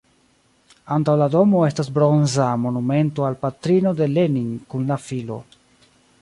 Antaŭ la domo estas bronza monumento al patrino de Lenin kun la filo.